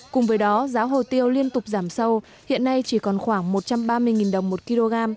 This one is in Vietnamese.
cùng với đó giá hồ tiêu liên tục giảm sâu hiện nay chỉ còn khoảng một trăm ba mươi đồng một kg